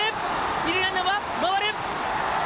二塁ランナーは回る。